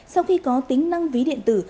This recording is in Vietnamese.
sau khi có tính năng ví điện tử